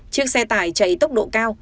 chiếc xe tải chảy tốc độ cao